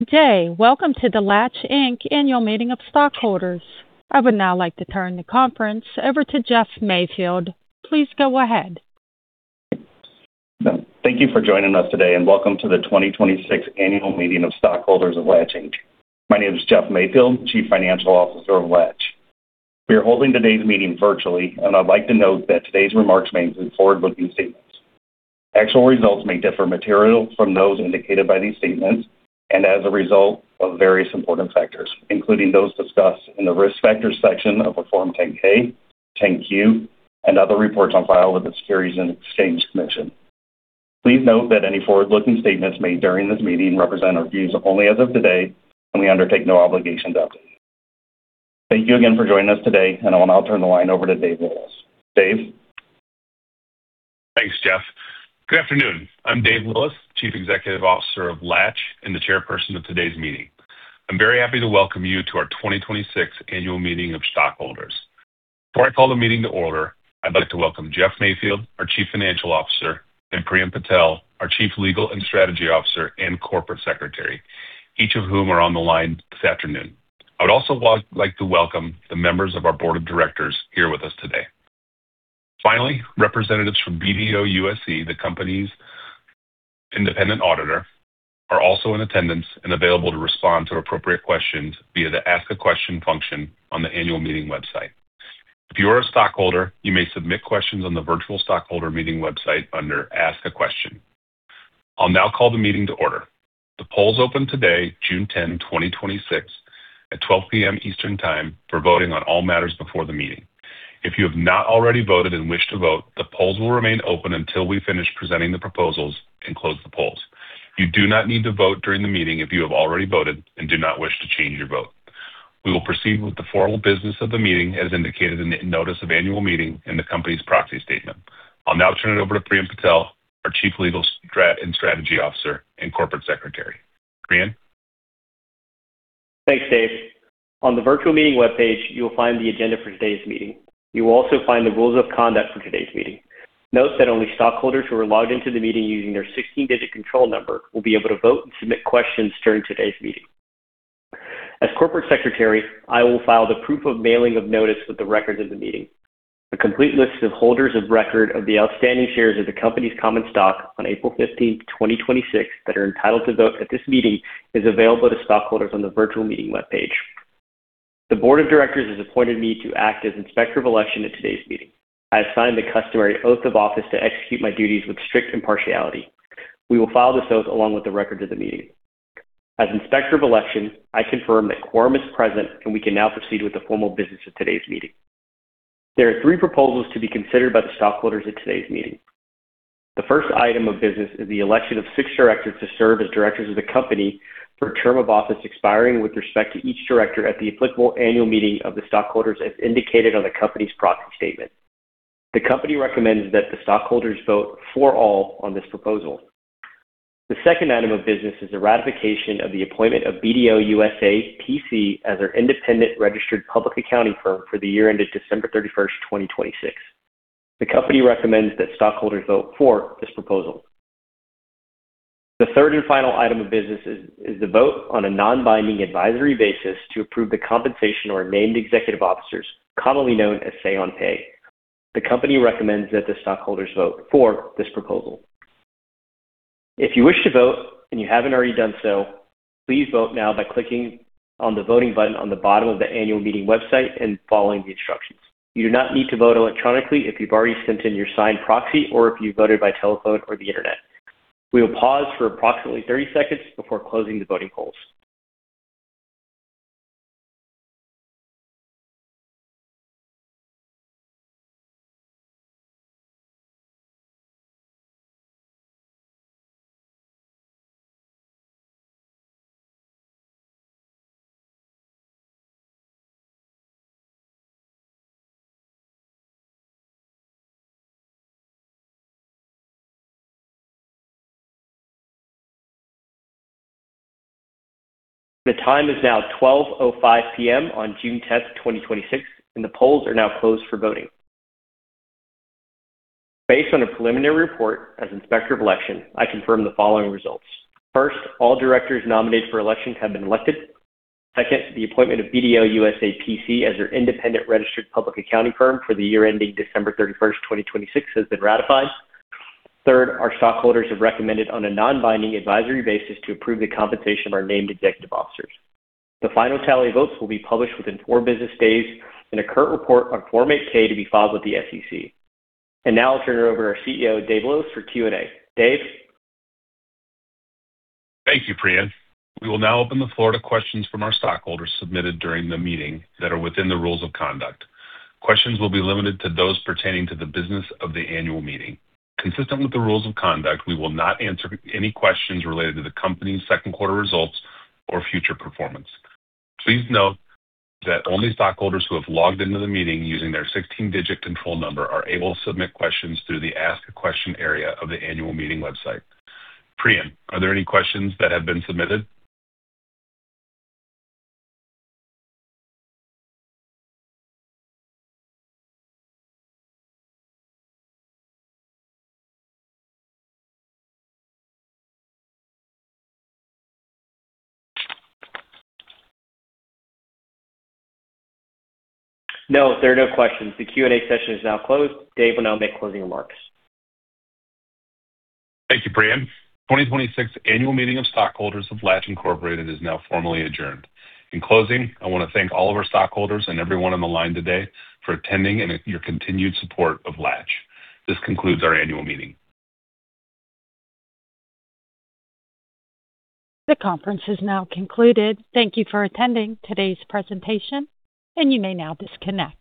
Good day. Welcome to the Latch, Inc. annual meeting of stockholders. I would now like to turn the conference over to Jeff Mayfield. Please go ahead. Thank you for joining us today, and welcome to the 2026 annual meeting of stockholders of Latch, Inc. My name is Jeff Mayfield, Chief Financial Officer of Latch. We are holding today's meeting virtually, and I'd like to note that today's remarks may include forward-looking statements. Actual results may differ materially from those indicated by these statements and as a result of various important factors, including those discussed in the Risk Factors section of our Form 10-K, 10-Q, and other reports on file with the Securities and Exchange Commission. Please note that any forward-looking statements made during this meeting represent our views only as of today, and we undertake no obligation thereto. Thank you again for joining us today, and I will now turn the line over to Dave Lillis. Dave? Thanks, Jeff. Good afternoon. I'm Dave Lillis, Chief Executive Officer of Latch and the Chairperson of today's meeting. I'm very happy to welcome you to our 2026 annual meeting of stockholders. Before I call the meeting to order, I'd like to welcome Jeff Mayfield, our Chief Financial Officer, and Priyen Patel, our Chief Legal and Strategy Officer and Corporate Secretary, each of whom are on the line this afternoon. I would also like to welcome the members of our Board of Directors here with us today. Finally, representatives from BDO USA, P.C., the company's independent auditor, are also in attendance and available to respond to appropriate questions via the ask a question function on the annual meeting website. If you are a stockholder, you may submit questions on the virtual stockholder meeting website under ask a question. I'll now call the meeting to order. The polls opened today, June 10, 2026, at 12:00 P.M. Eastern Time for voting on all matters before the meeting. If you have not already voted and wish to vote, the polls will remain open until we finish presenting the proposals and close the polls. You do not need to vote during the meeting if you have already voted and do not wish to change your vote. We will proceed with the formal business of the meeting as indicated in the notice of annual meeting in the company's proxy statement. I'll now turn it over to Priyen Patel, our Chief Legal and Strategy Officer and Corporate Secretary. Priyen? Thanks, Dave. On the virtual meeting webpage, you will find the agenda for today's meeting. You will also find the rules of conduct for today's meeting. Note that only stockholders who are logged into the meeting using their 16-digit control number will be able to vote and submit questions during today's meeting. As Corporate Secretary, I will file the proof of mailing of notice with the records of the meeting. A complete list of holders of record of the outstanding shares of the company's common stock on April 15th, 2026, that are entitled to vote at this meeting is available to stockholders on the virtual meeting webpage. The Board of Directors has appointed me to act as Inspector of Election at today's meeting. I have signed the customary oath of office to execute my duties with strict impartiality. We will file this oath along with the records of the meeting. As Inspector of Election, I confirm that quorum is present. We can now proceed with the formal business of today's meeting. There are three proposals to be considered by the stockholders at today's meeting. The first item of business is the election of six directors to serve as directors of the company for a term of office expiring with respect to each director at the applicable annual meeting of the stockholders as indicated on the company's proxy statement. The company recommends that the stockholders vote "for all" on this proposal. The second item of business is the ratification of the appointment of BDO USA, P.C. as our independent registered public accounting firm for the year ended December 31st, 2026. The company recommends that stockholders vote "for" this proposal. The third and final item of business is the vote on a non-binding advisory basis to approve the compensation of our named executive officers, commonly known as say on pay. The company recommends that the stockholders vote "for" this proposal. If you wish to vote and you haven't already done so, please vote now by clicking on the voting button on the bottom of the annual meeting website and following the instructions. You do not need to vote electronically if you've already sent in your signed proxy or if you voted by telephone or the internet. We will pause for approximately 30 seconds before closing the voting polls. The time is now 12:05 P.M. on June 10th, 2026. The polls are now closed for voting. Based on a preliminary report as Inspector of Election, I confirm the following results. First, all directors nominated for election have been elected. Second, the appointment of BDO USA, P.C. as our independent registered public accounting firm for the year ending December 31st, 2026, has been ratified. Third, our stockholders have recommended on a non-binding advisory basis to approve the compensation of our named executive officers. The final tally votes will be published within four business days in a current report on Form 8-K to be filed with the SEC. Now I'll turn it over to our CEO, Dave Lillis, for Q&A. Dave? Thank you, Priyen. We will now open the floor to questions from our stockholders submitted during the meeting that are within the rules of conduct. Questions will be limited to those pertaining to the business of the annual meeting. Consistent with the rules of conduct, we will not answer any questions related to the company's second quarter results or future performance. Please note that only stockholders who have logged into the meeting using their 16-digit control number are able to submit questions through the ask a question area of the annual meeting website. Priyen, are there any questions that have been submitted? No, there are no questions. The Q&A session is now closed. Dave will now make closing remarks. Thank you, Priyen. The 2026 annual meeting of stockholders of Latch, Incorporated is now formally adjourned. In closing, I want to thank all of our stockholders and everyone on the line today for attending and your continued support of Latch. This concludes our annual meeting. The conference is now concluded. Thank you for attending today's presentation, and you may now disconnect.